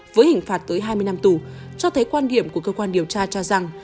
với hình phạt tới hai mươi năm tù cho thấy quan điểm của cơ quan điều tra cho rằng